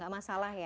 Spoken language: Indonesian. gak masalah ya